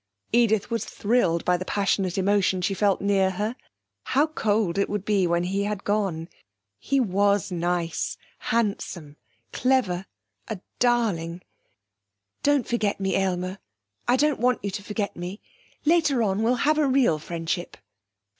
Edith was thrilled by the passionate emotion she felt near her. How cold it would be when he had gone! He was nice, handsome, clever a darling! 'Don't forget me, Aylmer. I don't want you to forget me. Later on we'll have a real friendship.'